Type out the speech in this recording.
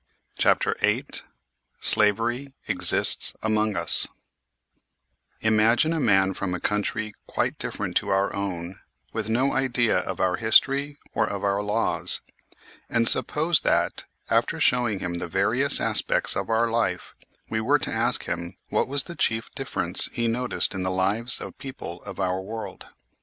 CHAPTEK VIII SLAVERY EXISTS AMONG US IMAGINE a man from a country quite different to our own, with no idea of our history or of our laws, and suppose that, after showing him the various aspects of our life, we were to ask him what was the chief difference he noticed in the lives of people of our world